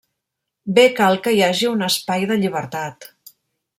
Bé cal que hi hagi un espai de llibertat.